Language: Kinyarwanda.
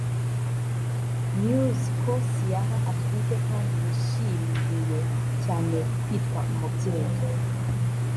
News ko “Ciara atwite kandi yishimiye cyane kwitwa umubyeyi